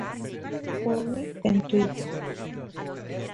BooG!e en Twitter